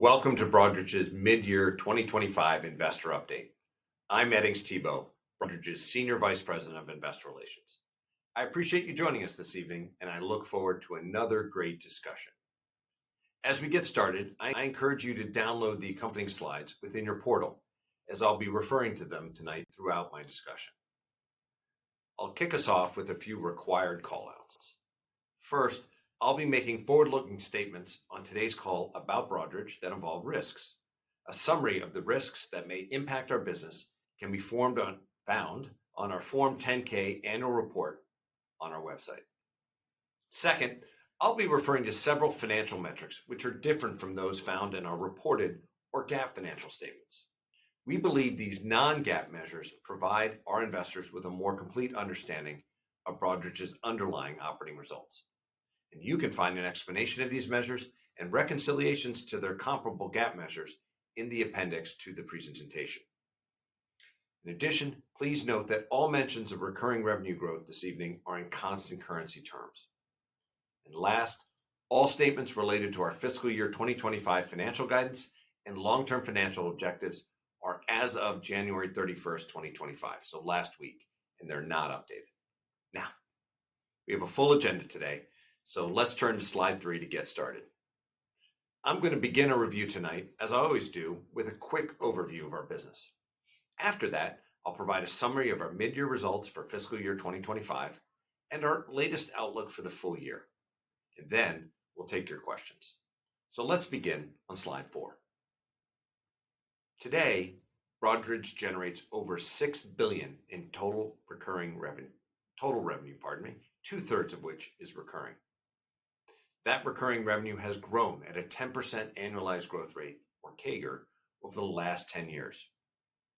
Welcome to Broadridge's Mid-Year 2025 Investor Update. I'm Edings Thibault, Broadridge's Senior Vice President of Investor Relations. I appreciate you joining us this evening, and I look forward to another great discussion. As we get started, I encourage you to download the accompanying slides within your portal, as I'll be referring to them tonight throughout my discussion. I'll kick us off with a few required callouts. First, I'll be making forward-looking statements on today's call about Broadridge that involve risks. A summary of the risks that may impact our business can be found on our Form 10-K Annual Report on our website. Second, I'll be referring to several financial metrics which are different from those found in our reported or GAAP financial statements. We believe these non-GAAP measures provide our investors with a more complete understanding of Broadridge's underlying operating results. You can find an explanation of these measures and reconciliations to their comparable GAAP measures in the appendix to the presentation. In addition, please note that all mentions of recurring revenue growth this evening are in constant currency terms. Last, all statements related to our Fiscal Year 2025 financial guidance and long-term financial objectives are as of January 31st, 2025, so last week, and they're not updated. Now, we have a full agenda today, so let's turn to Slide 3 to get started. I'm going to begin our review tonight, as I always do, with a quick overview of our business. After that, I'll provide a summary of our mid-year results for Fiscal Year 2025 and our latest outlook for the full year. Then we'll take your questions. Let's begin on Slide 4. Today, Broadridge generates over $6 billion in total recurring revenue, total revenue, pardon me, two-thirds of which is recurring. That recurring revenue has grown at a 10% annualized growth rate, or CAGR, over the last 10 years,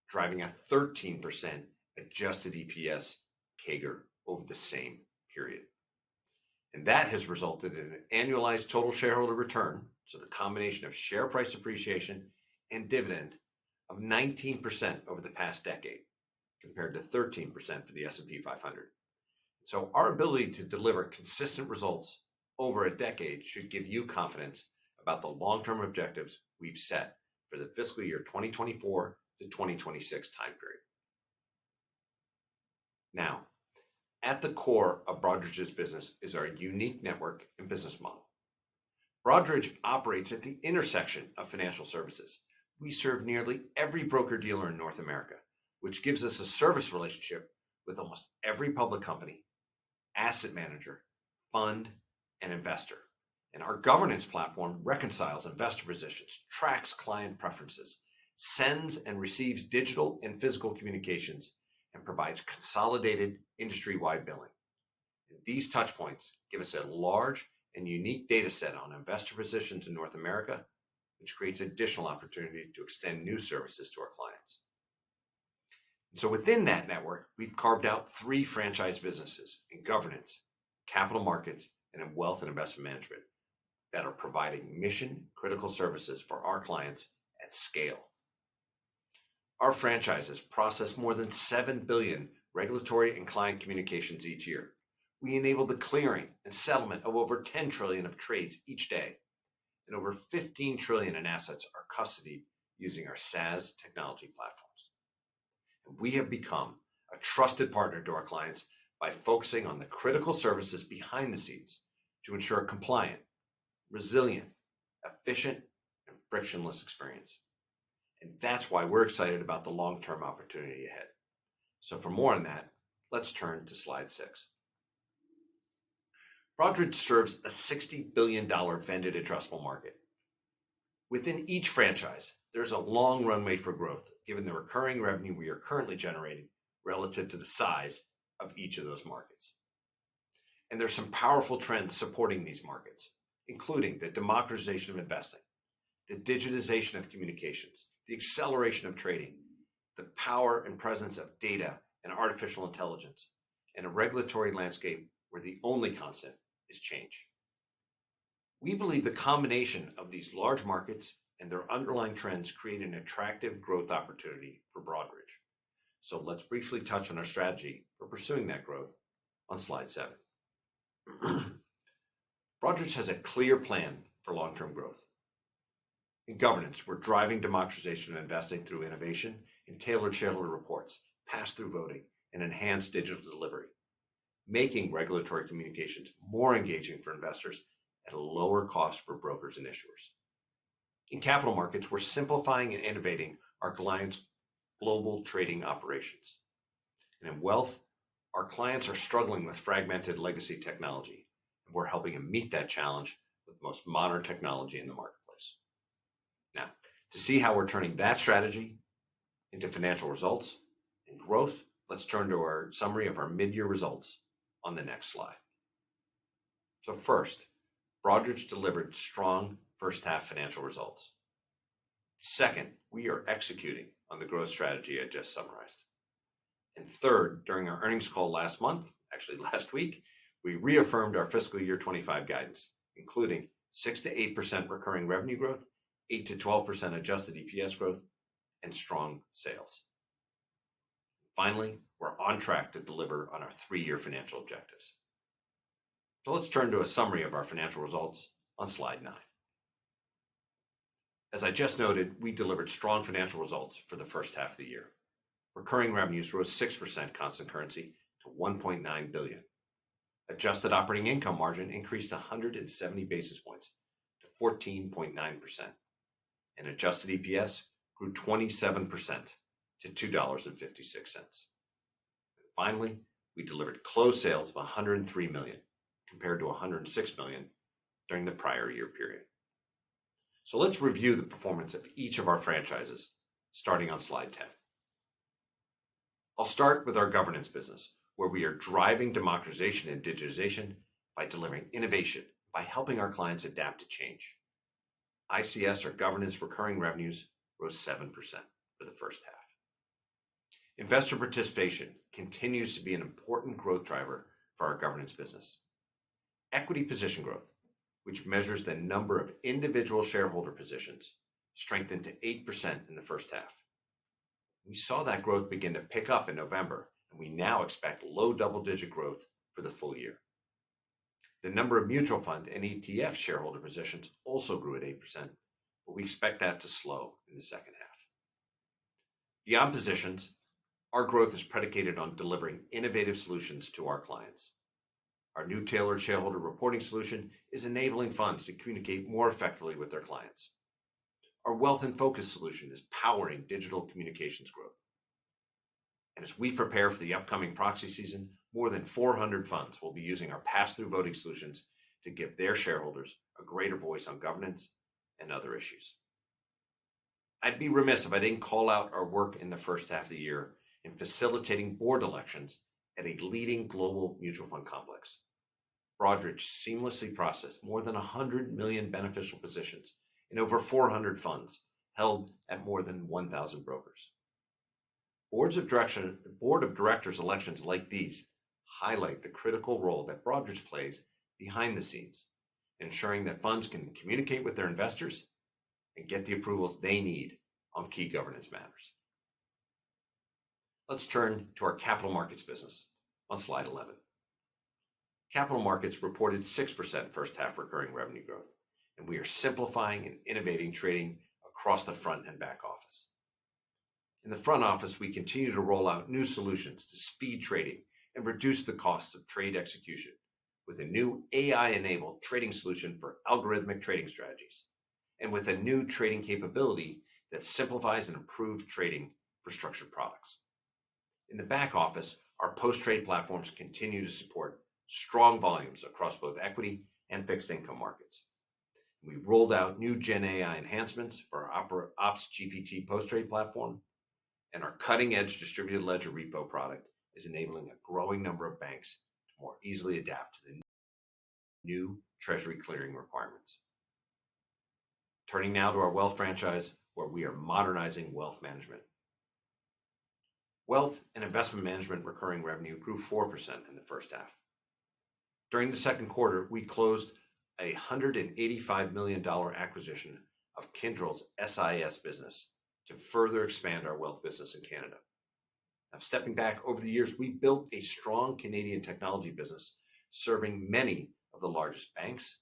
driving a 13% Adjusted EPS CAGR over the same period. That has resulted in an annualized total shareholder return, so the combination of share price appreciation and dividend, of 19% over the past decade, compared to 13% for the S&P 500. Our ability to deliver consistent results over a decade should give you confidence about the long-term objectives we've set for the Fiscal Year 2024 to 2026 time period. Now, at the core of Broadridge's business is our unique network and business model. Broadridge operates at the intersection of financial services. We serve nearly every broker-dealer in North America, which gives us a service relationship with almost every public company, asset manager, fund, and investor, and our governance platform reconciles investor positions, tracks client preferences, sends and receives digital and physical communications, and provides consolidated industry-wide billing, and these touchpoints give us a large and unique data set on investor positions in North America, which creates additional opportunity to extend new services to our clients, and so within that network, we've carved out three franchise businesses in governance, capital markets, and in wealth and investment management that are providing mission-critical services for our clients at scale. Our franchises process more than $7 billion regulatory and client communications each year. We enable the clearing and settlement of over $10 trillion of trades each day, and over $15 trillion in assets are custody using our SaaS technology platforms. And we have become a trusted partner to our clients by focusing on the critical services behind the scenes to ensure a compliant, resilient, efficient, and frictionless experience. And that's why we're excited about the long-term opportunity ahead. So for more on that, let's turn to Slide 6. Broadridge serves a $60 billion vendor-addressable market. Within each franchise, there's a long runway for growth given the recurring revenue we are currently generating relative to the size of each of those markets. And there are some powerful trends supporting these markets, including the democratization of investing, the digitization of communications, the acceleration of trading, the power and presence of data and artificial intelligence, and a regulatory landscape where the only constant is change. We believe the combination of these large markets and their underlying trends create an attractive growth opportunity for Broadridge. So let's briefly touch on our strategy for pursuing that growth on Slide 7. Broadridge has a clear plan for long-term growth. In governance, we're driving democratization of investing through innovation in tailored shareholder reports, pass-through voting, and enhanced digital delivery, making regulatory communications more engaging for investors at a lower cost for brokers and issuers. In capital markets, we're simplifying and innovating our clients' global trading operations. And in wealth, our clients are struggling with fragmented legacy technology, and we're helping them meet that challenge with the most modern technology in the marketplace. Now, to see how we're turning that strategy into financial results and growth, let's turn to our summary of our mid-year results on the next slide. So first, Broadridge delivered strong first-half financial results. Second, we are executing on the growth strategy I just summarized. Third, during our earnings call last month, actually last week, we reaffirmed our Fiscal Year 2025 guidance, including 6%-8% recurring revenue growth, 8%-12% Adjusted EPS growth, and strong sales. Finally, we're on track to deliver on our three-year financial objectives. Let's turn to a summary of our financial results on Slide 9. As I just noted, we delivered strong financial results for the first half of the year. Recurring revenues rose 6% constant currency to $1.9 billion. Adjusted operating income margin increased 170 basis points to 14.9%. Adjusted EPS grew 27% to $2.56. Finally, we delivered closed sales of $103 million, compared to $106 million during the prior year period. Let's review the performance of each of our franchises, starting on Slide 10. I'll start with our governance business, where we are driving democratization and digitization by delivering innovation, by helping our clients adapt to change. ICS, or governance recurring revenues, rose 7% for the first half. Investor participation continues to be an important growth driver for our governance business. Equity position growth, which measures the number of individual shareholder positions, strengthened to 8% in the first half. We saw that growth begin to pick up in November, and we now expect low double-digit growth for the full year. The number of mutual fund and ETF shareholder positions also grew at 8%, but we expect that to slow in the second half. Beyond positions, our growth is predicated on delivering innovative solutions to our clients. Our new tailored shareholder reporting solution is enabling funds to communicate more effectively with their clients. Our Wealth InFocus solution is powering digital communications growth. And as we prepare for the upcoming proxy season, more than 400 funds will be using our pass-through voting solutions to give their shareholders a greater voice on governance and other issues. I'd be remiss if I didn't call out our work in the first half of the year in facilitating board elections at a leading global mutual fund complex. Broadridge seamlessly processed more than 100 million beneficial positions in over 400 funds held at more than 1,000 brokers. Board of Directors elections like these highlight the critical role that Broadridge plays behind the scenes, ensuring that funds can communicate with their investors and get the approvals they need on key governance matters. Let's turn to our capital markets business on Slide 11. Capital markets reported 6% first-half recurring revenue growth, and we are simplifying and innovating trading across the front and back office. In the front office, we continue to roll out new solutions to speed trading and reduce the costs of trade execution with a new AI-enabled trading solution for algorithmic trading strategies and with a new trading capability that simplifies and improves trading for structured products. In the back office, our post-trade platforms continue to support strong volumes across both equity and fixed income markets. We rolled out new Gen AI enhancements for our OpsGPT post-trade platform, and our cutting-edge Distributed Ledger Repo product is enabling a growing number of banks to more easily adapt to the new treasury clearing requirements. Turning now to our wealth franchise, where we are modernizing wealth management. Wealth and investment management recurring revenue grew 4% in the first half. During the second quarter, we closed a $185 million acquisition of Kyndryl's SIS business to further expand our wealth business in Canada. Now, stepping back over the years, we built a strong Canadian technology business serving many of the largest banks,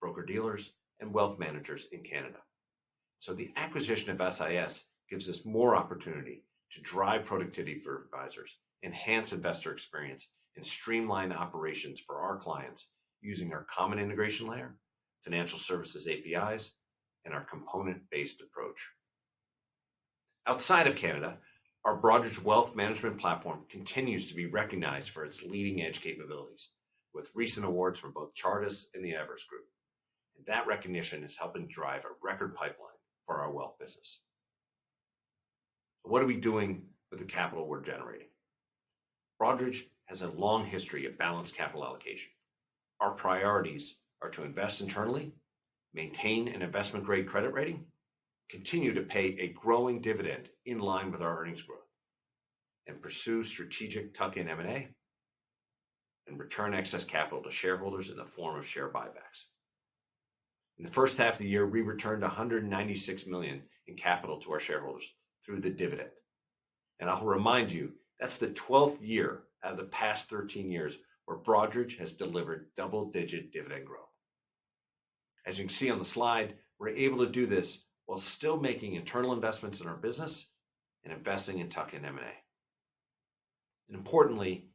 broker-dealers, and wealth managers in Canada, so the acquisition of SIS gives us more opportunity to drive productivity for advisors, enhance investor experience, and streamline operations for our clients using our common integration layer, financial services APIs, and our component-based approach. Outside of Canada, our Broadridge wealth management platform continues to be recognized for its leading-edge capabilities, with recent awards from both Chartis and the Everest Group, and that recognition is helping drive a record pipeline for our wealth business. What are we doing with the capital we're generating? Broadridge has a long history of balanced capital allocation. Our priorities are to invest internally, maintain an investment-grade credit rating, continue to pay a growing dividend in line with our earnings growth, and pursue strategic Tuck-in M&A and return excess capital to shareholders in the form of share buybacks. In the first half of the year, we returned $196 million in capital to our shareholders through the dividend. And I'll remind you, that's the 12th year out of the past 13 years where Broadridge has delivered double-digit dividend growth. As you can see on the slide, we're able to do this while still making internal investments in our business and investing in Tuck-in M&A. And importantly,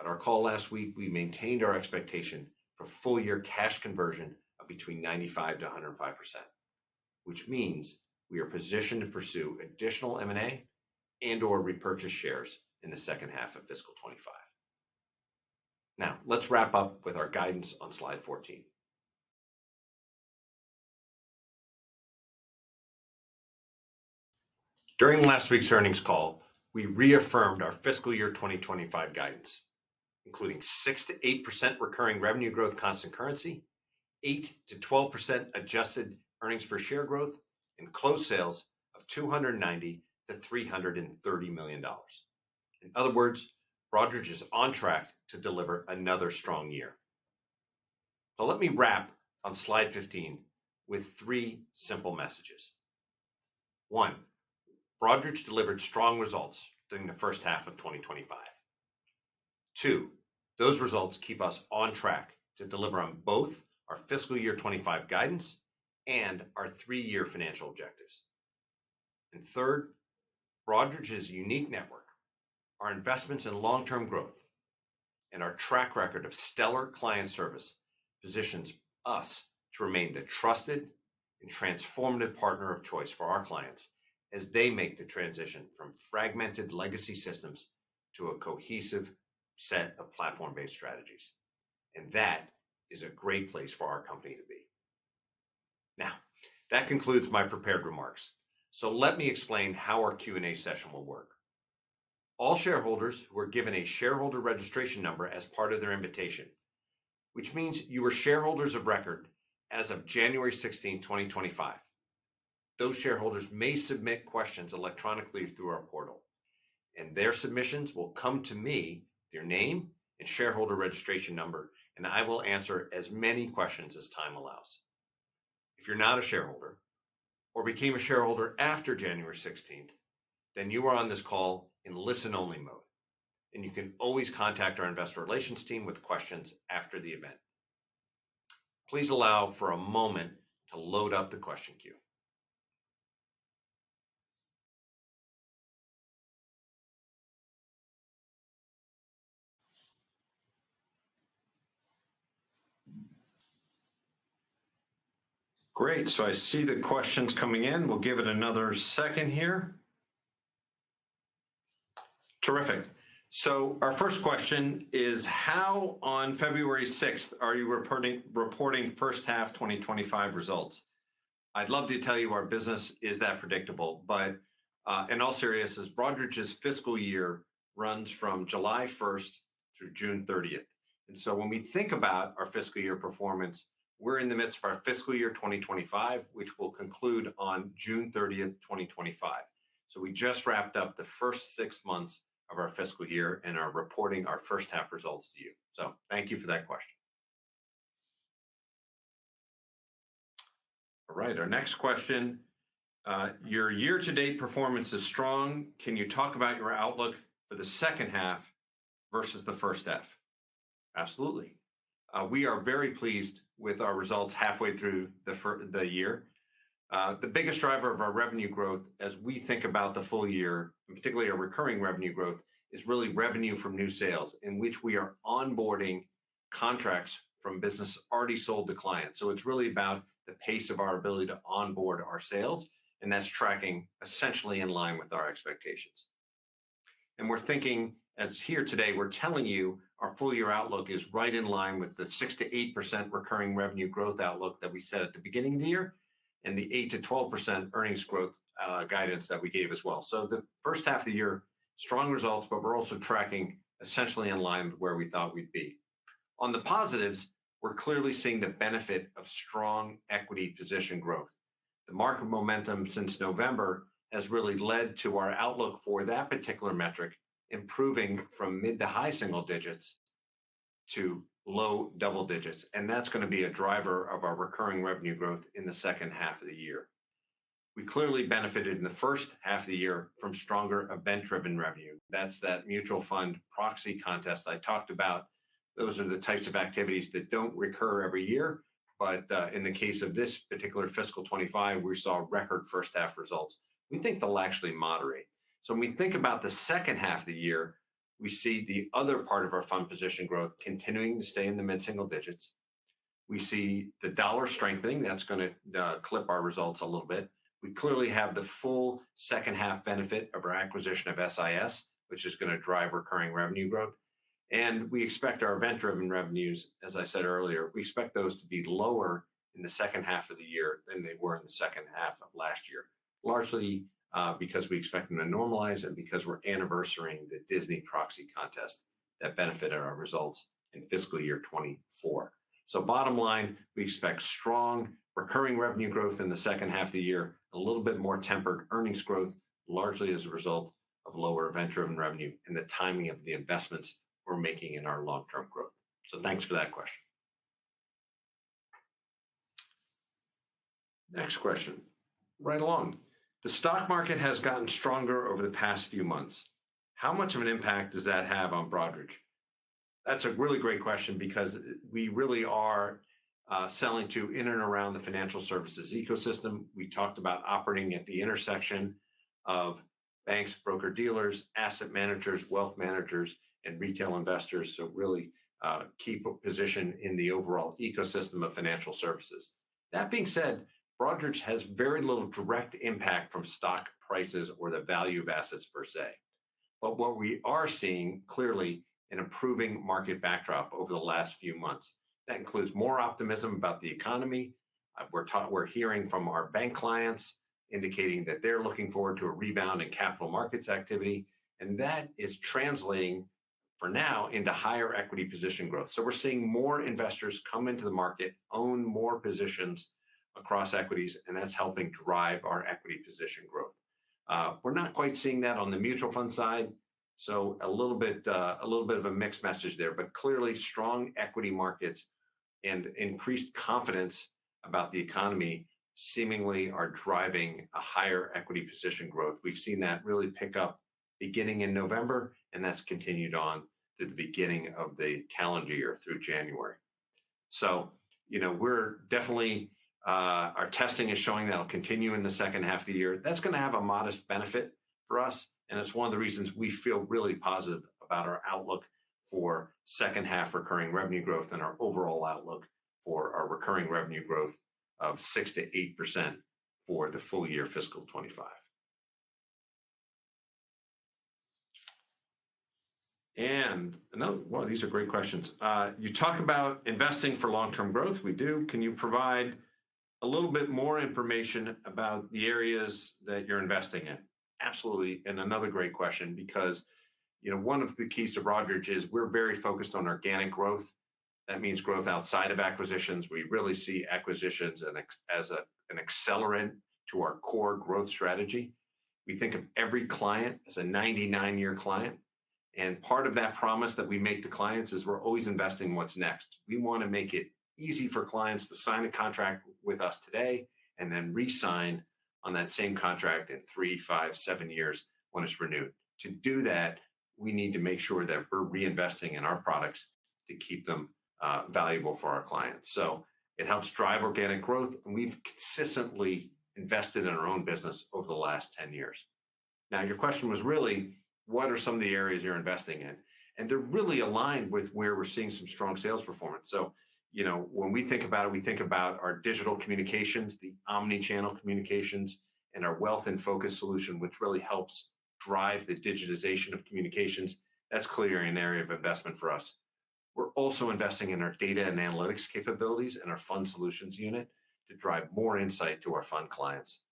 at our call last week, we maintained our expectation for full-year cash conversion of between 95%-105%, which means we are positioned to pursue additional M&A and/or repurchase shares in the second half of Fiscal 2025. Now, let's wrap up with our guidance on Slide 14. During last week's earnings call, we reaffirmed our Fiscal Year 2025 guidance, including 6%-8% recurring revenue growth constant currency, 8%-12% adjusted earnings per share growth, and closed sales of $290 million-$330 million. In other words, Broadridge is on track to deliver another strong year. So let me wrap on Slide 15 with three simple messages. One, Broadridge delivered strong results during the first half of 2025. Two, those results keep us on track to deliver on both our Fiscal Year 2025 guidance and our three-year financial objectives. Third, Broadridge's unique network, our investments in long-term growth, and our track record of stellar client service positions us to remain the trusted and transformative partner of choice for our clients as they make the transition from fragmented legacy systems to a cohesive set of platform-based strategies. That is a great place for our company to be. Now, that concludes my prepared remarks. Let me explain how our Q&A session will work. All shareholders who are given a shareholder registration number as part of their invitation, which means you are shareholders of record as of January 16, 2025. Those shareholders may submit questions electronically through our portal, and their submissions will come to me with their name and shareholder registration number, and I will answer as many questions as time allows. If you're not a shareholder or became a shareholder after January 16, then you are on this call in listen-only mode, and you can always contact our investor relations team with questions after the event. Please allow for a moment to load up the question queue. Great, so I see the questions coming in. We'll give it another second here. Terrific, so our first question is, how on February 6th are you reporting first-half 2025 results? I'd love to tell you our business is that predictable, but in all seriousness, Broadridge's fiscal year runs from July 1st through June 30th, and so when we think about our fiscal year performance, we're in the midst of our fiscal year 2025, which will conclude on June 30th, 2025, so we just wrapped up the first six months of our fiscal year and are reporting our first-half results to you. So thank you for that question. All right. Our next question, your year-to-date performance is strong. Can you talk about your outlook for the second half versus the first half? Absolutely. We are very pleased with our results halfway through the year. The biggest driver of our revenue growth as we think about the full year, and particularly our recurring revenue growth, is really revenue from new sales, in which we are onboarding contracts from businesses already sold to clients. So it's really about the pace of our ability to onboard our sales, and that's tracking essentially in line with our expectations. And we're thinking as here today, we're telling you our full-year outlook is right in line with the 6%-8% recurring revenue growth outlook that we set at the beginning of the year and the 8%-12% earnings growth guidance that we gave as well. The first half of the year showed strong results, but we're also tracking essentially in line with where we thought we'd be. On the positives, we're clearly seeing the benefit of strong equity position growth. The market momentum since November has really led to our outlook for that particular metric improving from mid- to high single digits to low double digits. That's going to be a driver of our recurring revenue growth in the second half of the year. We clearly benefited in the first half of the year from stronger event-driven revenue. That's that mutual fund proxy contest I talked about. Those are the types of activities that don't recur every year. In the case of this particular Fiscal 2025, we saw record first-half results. We think they'll actually moderate. So when we think about the second half of the year, we see the other part of our fund position growth continuing to stay in the mid-single digits. We see the dollar strengthening. That's going to clip our results a little bit. We clearly have the full second-half benefit of our acquisition of SIS, which is going to drive recurring revenue growth. And we expect our event-driven revenues, as I said earlier, we expect those to be lower in the second half of the year than they were in the second half of last year, largely because we expect them to normalize and because we're anniversarying the Disney proxy contest that benefited our results in Fiscal Year 2024. So bottom line, we expect strong recurring revenue growth in the second half of the year, a little bit more tempered earnings growth, largely as a result of lower event-driven revenue and the timing of the investments we're making in our long-term growth. So thanks for that question. Next question. Right along, the stock market has gotten stronger over the past few months. How much of an impact does that have on Broadridge? That's a really great question because we really are selling to in and around the financial services ecosystem. We talked about operating at the intersection of banks, broker-dealers, asset managers, wealth managers, and retail investors, so really keep a position in the overall ecosystem of financial services. That being said, Broadridge has very little direct impact from stock prices or the value of assets per se. But what we are seeing clearly is an improving market backdrop over the last few months. That includes more optimism about the economy. We're hearing from our bank clients indicating that they're looking forward to a rebound in capital markets activity. And that is translating for now into higher equity position growth. So we're seeing more investors come into the market, own more positions across equities, and that's helping drive our equity position growth. We're not quite seeing that on the mutual fund side. So a little bit of a mixed message there, but clearly strong equity markets and increased confidence about the economy seemingly are driving a higher equity position growth. We've seen that really pick up beginning in November, and that's continued on through the beginning of the calendar year through January. So we're definitely our testing is showing that'll continue in the second half of the year. That's going to have a modest benefit for us, and it's one of the reasons we feel really positive about our outlook for second-half recurring revenue growth and our overall outlook for our recurring revenue growth of 6%-8% for the full year fiscal 2025, and another one of these are great questions. You talk about investing for long-term growth. We do. Can you provide a little bit more information about the areas that you're investing in? Absolutely, and another great question because one of the keys to Broadridge is we're very focused on organic growth. That means growth outside of acquisitions. We really see acquisitions as an accelerant to our core growth strategy. We think of every client as a 99-year client, and part of that promise that we make to clients is we're always investing in what's next. We want to make it easy for clients to sign a contract with us today and then re-sign on that same contract in three, five, seven years when it's renewed. To do that, we need to make sure that we're reinvesting in our products to keep them valuable for our clients. So it helps drive organic growth, and we've consistently invested in our own business over the last 10 years. Now, your question was really, what are some of the areas you're investing in? And they're really aligned with where we're seeing some strong sales performance. So when we think about it, we think about our digital communications, the omnichannel communications, and our Wealth InFocus solution, which really helps drive the digitization of communications. That's clearly an area of investment for us. We're also investing in our data and analytics capabilities and our fund solutions unit to drive more insight to our fund clients.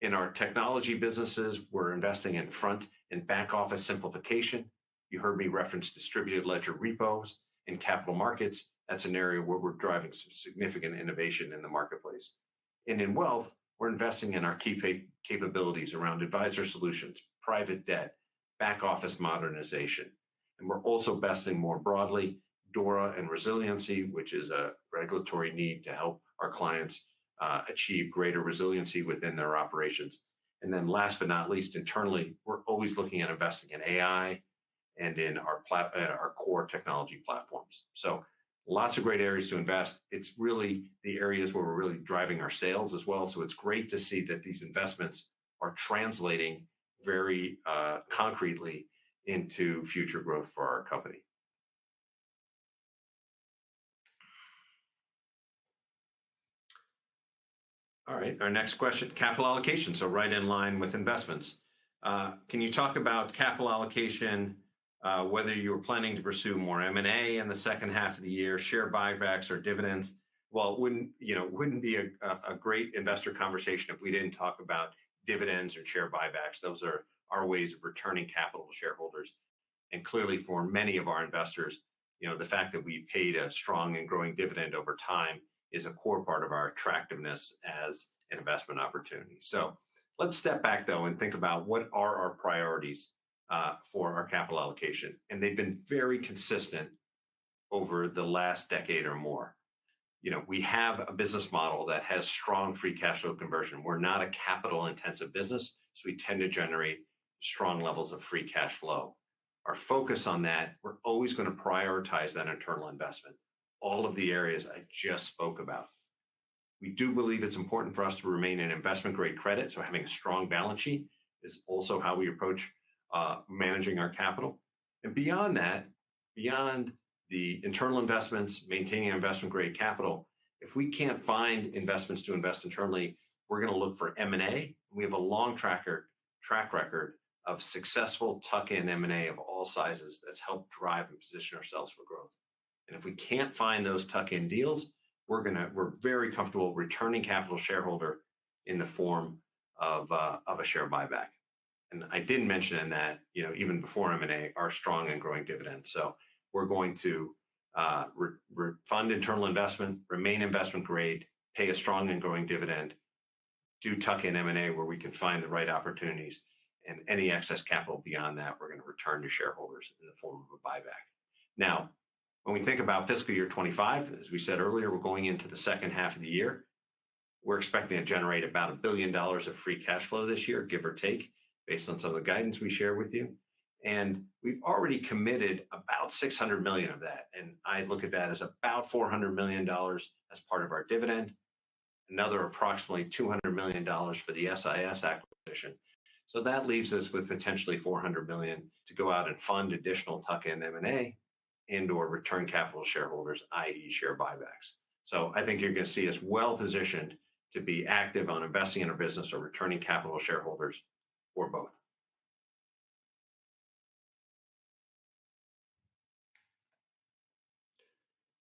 In our technology businesses, we're investing in front and back-office simplification. You heard me reference Distributed Ledger Repo and capital markets. That's an area where we're driving some significant innovation in the marketplace. And in wealth, we're investing in our key capabilities around advisor solutions, private debt, back-office modernization. And we're also investing more broadly, DORA and resiliency, which is a regulatory need to help our clients achieve greater resiliency within their operations. And then last but not least, internally, we're always looking at investing in AI and in our core technology platforms. So lots of great areas to invest. It's really the areas where we're really driving our sales as well. It's great to see that these investments are translating very concretely into future growth for our company. All right. Our next question, capital allocation. So right in line with investments. Can you talk about capital allocation, whether you're planning to pursue more M&A in the second half of the year, share buybacks, or dividends? Well, it wouldn't be a great investor conversation if we didn't talk about dividends and share buybacks. Those are our ways of returning capital to shareholders. And clearly, for many of our investors, the fact that we paid a strong and growing dividend over time is a core part of our attractiveness as an investment opportunity. So let's step back, though, and think about what are our priorities for our capital allocation. And they've been very consistent over the last decade or more. We have a business model that has strong free cash flow conversion. We're not a capital-intensive business, so we tend to generate strong levels of free cash flow. Our focus on that, we're always going to prioritize that internal investment, all of the areas I just spoke about. We do believe it's important for us to remain in investment-grade credit, so having a strong balance sheet is also how we approach managing our capital, and beyond that, beyond the internal investments, maintaining investment-grade capital, if we can't find investments to invest internally, we're going to look for M&A. We have a long track record of successful tuck-in M&A of all sizes that's helped drive and position ourselves for growth, and if we can't find those tuck-in deals, we're very comfortable returning capital to shareholder in the form of a share buyback, and I didn't mention that even before M&A, our strong and growing dividends. We're going to fund internal investment, remain investment-grade, pay a strong and growing dividend, do tuck-in M&A where we can find the right opportunities. Any excess capital beyond that, we're going to return to shareholders in the form of a buyback. Now, when we think about fiscal year 2025, as we said earlier, we're going into the second half of the year. We're expecting to generate about $1 billion of free cash flow this year, give or take, based on some of the guidance we share with you. We've already committed about $600 million of that. I look at that as about $400 million as part of our dividend, another approximately $200 million for the SIS acquisition. That leaves us with potentially $400 million to go out and fund additional tuck-in M&A and/or return capital to shareholders, i.e., share buybacks. So I think you're going to see us well positioned to be active on investing in our business or returning capital to shareholders or both.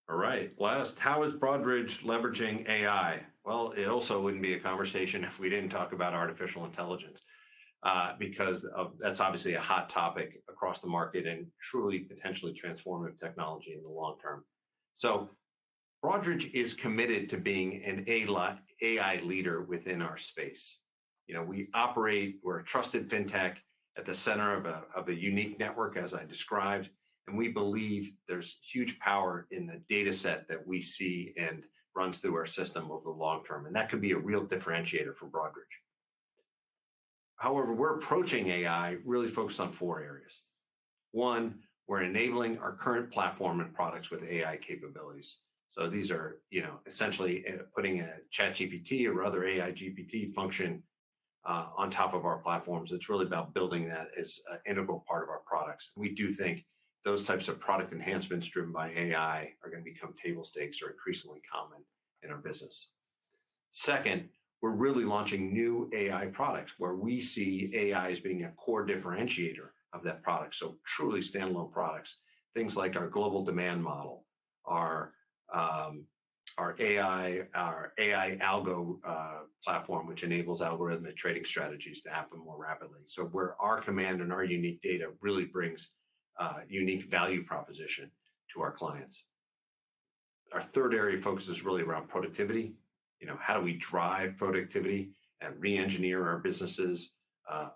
All right. Last, how is Broadridge leveraging AI? Well, it also wouldn't be a conversation if we didn't talk about artificial intelligence because that's obviously a hot topic across the market and truly potentially transformative technology in the long term. So Broadridge is committed to being an AI leader within our space. We operate - we're a trusted fintech at the center of a unique network, as I described. And we believe there's huge power in the dataset that we see and run through our system over the long term. And that could be a real differentiator for Broadridge. However, we're approaching AI really focused on four areas. One, we're enabling our current platform and products with AI capabilities. So these are essentially putting a ChatGPT or other AI GPT function on top of our platforms. It's really about building that as an integral part of our products. We do think those types of product enhancements driven by AI are going to become table stakes or increasingly common in our business. Second, we're really launching new AI products where we see AI as being a core differentiator of that product. So truly standalone products, things like our Global Demand Model, our AI algo platform, which enables algorithmic trading strategies to happen more rapidly. So where our domain and our unique data really brings unique value proposition to our clients. Our third area of focus is really around productivity. How do we drive productivity and re-engineer our businesses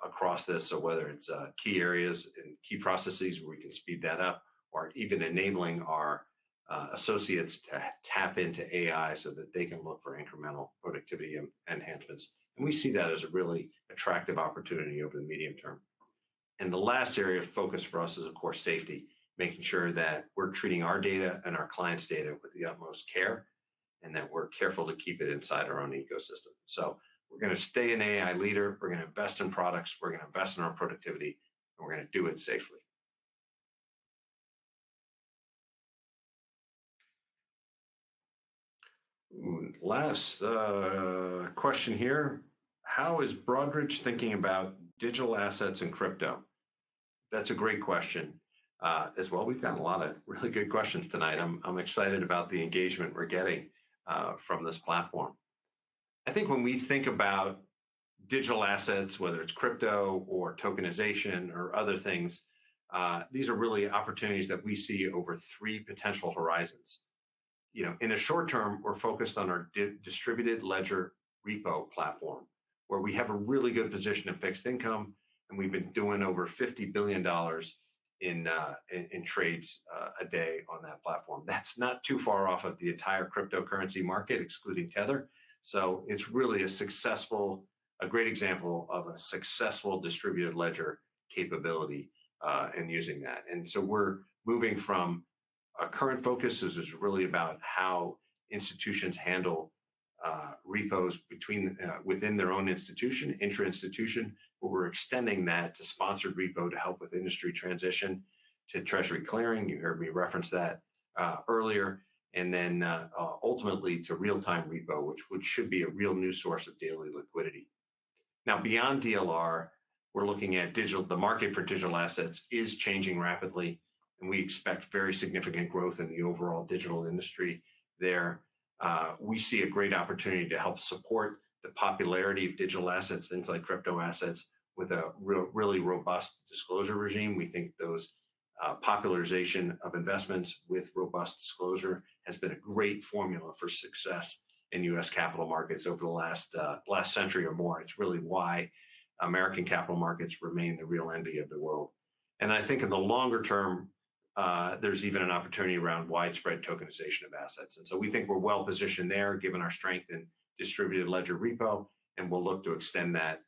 across this? So whether it's key areas and key processes where we can speed that up or even enabling our associates to tap into AI so that they can look for incremental productivity enhancements. And we see that as a really attractive opportunity over the medium term. And the last area of focus for us is, of course, safety, making sure that we're treating our data and our clients' data with the utmost care and that we're careful to keep it inside our own ecosystem. So we're going to stay an AI leader. We're going to invest in products. We're going to invest in our productivity, and we're going to do it safely. Last question here. How is Broadridge thinking about digital assets and crypto? That's a great question as well. We've gotten a lot of really good questions tonight. I'm excited about the engagement we're getting from this platform. I think when we think about digital assets, whether it's crypto or tokenization or other things, these are really opportunities that we see over three potential horizons. In the short term, we're focused on our Distributed Ledger Repo platform where we have a really good position in fixed income, and we've been doing over $50 billion in trades a day on that platform. That's not too far off of the entire cryptocurrency market, excluding Tether. So it's really a great example of a successful distributed ledger capability and using that. And so we're moving from a current focus, which is really about how institutions handle repos within their own institution, intra-institution, where we're extending that to sponsored repo to help with industry transition to treasury clearing. You heard me reference that earlier. And then ultimately to real-time repo, which should be a real new source of daily liquidity. Now, beyond DLR, we're looking at the market for digital assets, which is changing rapidly, and we expect very significant growth in the overall digital industry there. We see a great opportunity to help support the popularity of digital assets, things like crypto assets, with a really robust disclosure regime. We think the popularization of investments with robust disclosure has been a great formula for success in U.S. capital markets over the last century or more. It's really why American capital markets remain the real envy of the world, and I think in the longer term, there's even an opportunity around widespread tokenization of assets. We think we're well positioned there given our strength in Distributed Ledger Repo, and we'll look to extend that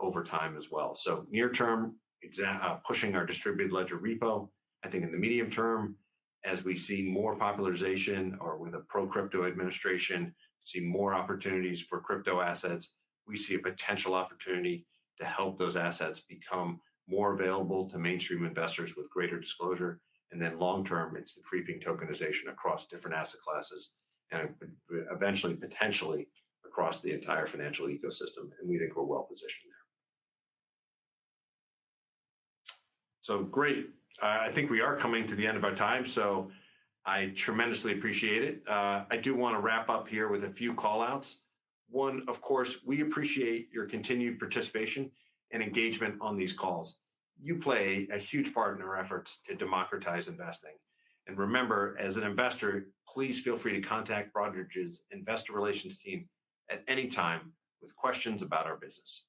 over time as well. Near-term, we're pushing our Distributed Ledger Repo. I think in the medium term, as we see more popularization or with a pro-crypto administration, see more opportunities for crypto assets, we see a potential opportunity to help those assets become more available to mainstream investors with greater disclosure. And then long-term, it's the creeping tokenization across different asset classes and eventually potentially across the entire financial ecosystem. And we think we're well positioned there. So great. I think we are coming to the end of our time. So I tremendously appreciate it. I do want to wrap up here with a few callouts. One, of course, we appreciate your continued participation and engagement on these calls. You play a huge part in our efforts to democratize investing. And remember, as an investor, please feel free to contact Broadridge's investor relations team at any time with questions about our business.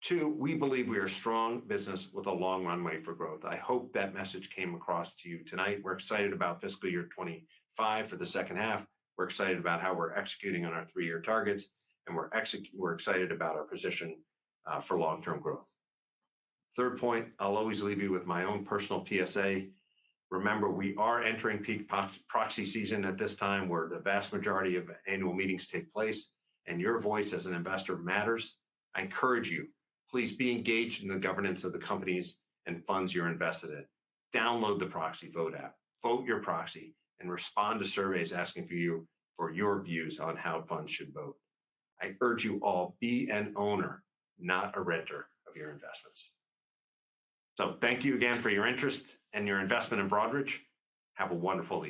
Two, we believe we are a strong business with a long runway for growth. I hope that message came across to you tonight. We're excited about fiscal year 2025 for the second half. We're excited about how we're executing on our three-year targets, and we're excited about our position for long-term growth. Third point, I'll always leave you with my own personal PSA. Remember, we are entering peak proxy season at this time where the vast majority of annual meetings take place, and your voice as an investor matters. I encourage you, please be engaged in the governance of the companies and funds you're invested in. Download the ProxyVote app, vote your proxy, and respond to surveys asking for your views on how funds should vote. I urge you all, be an owner, not a renter of your investments. Thank you again for your interest and your investment in Broadridge. Have a wonderful day.